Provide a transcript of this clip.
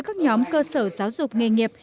các nhóm cơ sở giáo dục nghề nghiệp